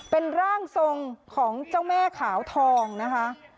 เป็นร่างทรงของเจ้าแม่ขาวทองนะคะ